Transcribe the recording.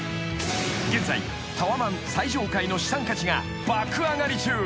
［現在タワマン最上階の資産価値が爆上がり中］